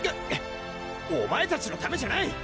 お前たちのためじゃない！